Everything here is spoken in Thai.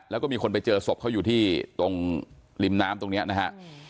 แล้วก็มีคนไปเจอศพเขาอยู่ที่ตรงริมน้ำตรงนี้นะฮะ